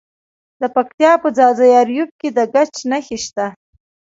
د پکتیا په ځاځي اریوب کې د ګچ نښې شته.